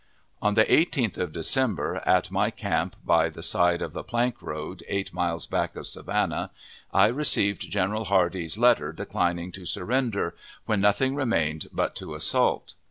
On the 18th of December, at my camp by the side of the plank road, eight miles back of Savannah, I received General Hardee's letter declining to surrender, when nothing remained but to assault.